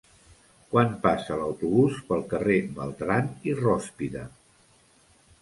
Quan passa l'autobús pel carrer Beltrán i Rózpide?